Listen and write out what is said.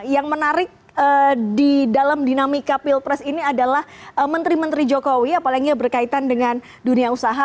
yang menarik di dalam dinamika pilpres ini adalah menteri menteri jokowi apalagi berkaitan dengan dunia usaha